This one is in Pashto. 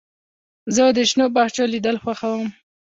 زه د شنو باغچو لیدل خوښوم.